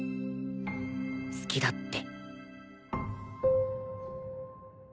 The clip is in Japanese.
好きだって